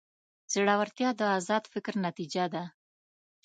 زړورتیا د ازاد فکر نتیجه ده.